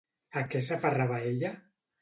A què s'aferrava ella?